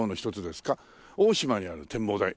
大島にある展望台。